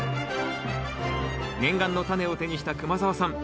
念願のタネを手にした熊澤さん